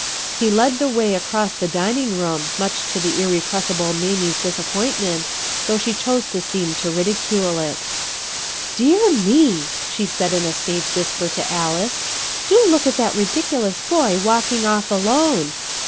He led the way across the dining room much to the irrepressible Mamie's dis appointment, though she chose to seem to ridicule it "Dear me!" she said in a stage whisper to Alice, "do look at that ridiculous boy walking off alone.